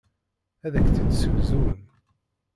Ad ak-tt-id-ssegzun.